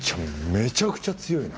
めちゃくちゃ強いな。